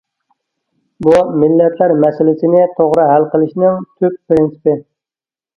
بۇ مىللەتلەر مەسىلىسىنى توغرا ھەل قىلىشنىڭ تۈپ پىرىنسىپى.